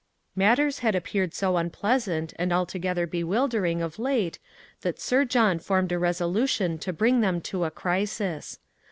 Matters had appeared so unpleasant and altogether bewildering of late that Sir John formed a resolution to bring them to a crisis.